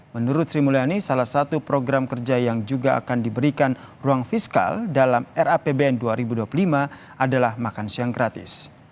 menurut sri mulyani salah satu program kerja yang juga akan diberikan ruang fiskal dalam rapbn dua ribu dua puluh lima adalah makan siang gratis